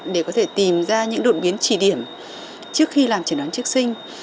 để có thể tìm ra những đột biến chỉ điểm trước khi làm chuẩn đoán trước sinh